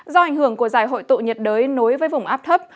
do ảnh hưởng của giải hội tụ nhiệt đới nối với vùng áp thấp